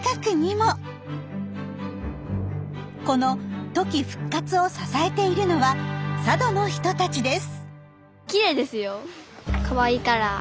この「トキ復活」を支えているのは佐渡の人たちです。